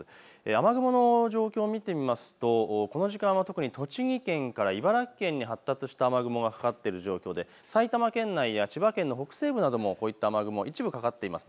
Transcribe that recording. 雨雲の状況を見てみますとこの時間は特に栃木県から茨城県に発達した雨雲がかかっている状況で埼玉県内や千葉県の北西部などもこういった雨雲、一部かかっています。